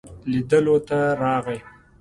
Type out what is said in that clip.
لیدلو ته راغی.